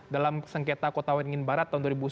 dalam sengketa kota wengin barat tahun dua ribu sepuluh